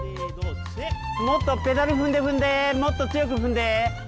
もっとペダル踏んで踏んでもっと強く踏んで。